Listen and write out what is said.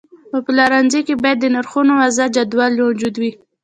په پلورنځي کې باید د نرخونو واضحه جدول موجود وي.